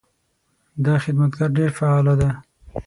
دا خدمتګر ډېر فعاله ده.